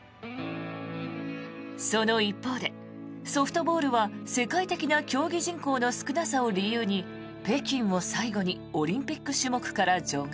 その一方でソフトボールは世界的な競技人口の少なさを理由に北京を最後にオリンピック種目から除外。